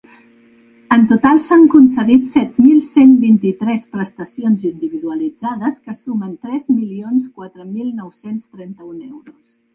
En total, s’han concedit set mil cent vint-i-tres prestacions individualitzades que sumen tres milions quatre mil nou-cents trenta-un euros.